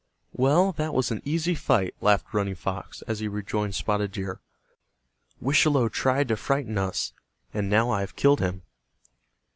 "Well, that was an easy fight," laughed Running Fox, as he rejoined Spotted Deer. "Wischalowe tried to frighten us, and now I have killed him."